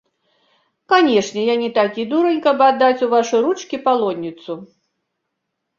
Канешне, я не такі дурань, каб аддаць у вашы ручкі палонніцу.